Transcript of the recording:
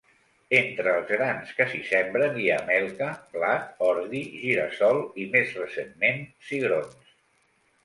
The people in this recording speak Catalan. Entre els grans que s'hi sembren hi ha melca, blat, ordi, gira-sol i més recentment cigrons.